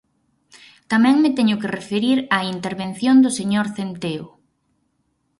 Tamén me teño que referir á intervención do señor Centeo.